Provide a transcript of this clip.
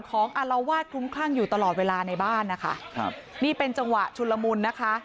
อารวาสคลุ้มคลั่งอยู่ตลอดเวลาในบ้านนะคะครับนี่เป็นจังหวะชุนละมุนนะคะ